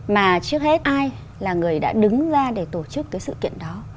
mà trước hết ai là người đã đứng ra để tổ chức cái sự kiện đó